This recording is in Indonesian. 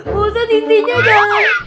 busan intinya jangan